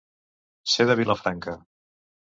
Ser de Vilafranca.